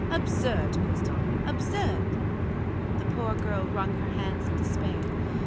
Absurd, Cristel absurd!" The poor girl wrung her hands in despair.